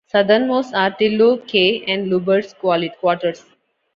Southernmost are Tilloo Cay and Lubbers Quarters.